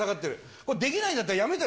これ、できないんだったら、やめたら？